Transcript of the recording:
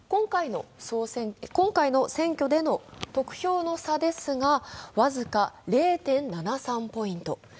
今回の選挙での得票の差ですが、僅か０．７３ポイント。